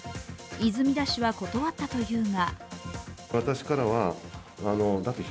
泉田氏は断ったというが